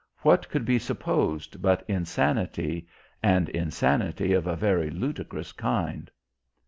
What could be supposed but insanity and insanity of a very ludicrous kind?